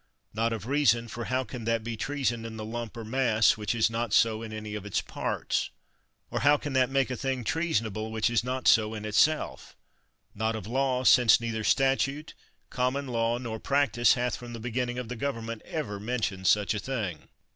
Not of reason, for how can that be treason in the lump or mass which is not so in any of its 75 THE WORLD'S FAMOUS ORATIONS parts ? or how can that make a thing treasonable which is not so in itself? Not of law, since neither statute, common law, nor practise hath from the beginning of the government ever men tioned such a thing.